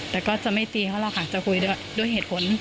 แต่ก็จะไม่ตีเขาหรอกค่ะจะคุยด้วยเหตุผล